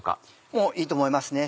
もういいと思いますね